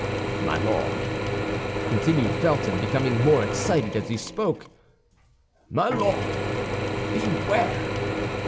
"My Lord," continued Felton, becoming more excited as he spoke, "my Lord, beware!